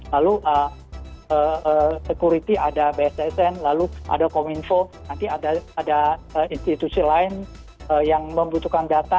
lalu security ada bssn lalu ada kominfo nanti ada institusi lain yang membutuhkan data